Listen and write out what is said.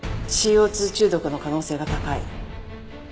ＣＯ２中毒の可能性が高い。